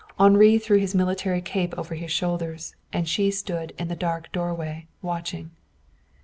Henri threw his military cape over her shoulders and she stood in the dark doorway, watching.